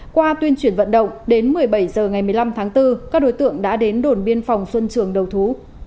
qua tuyên truyền vận động đến một mươi bảy h ngày một mươi năm tháng bốn các đối tượng đã đến đồn biên phòng xuân trường đầu thú